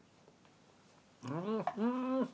うん。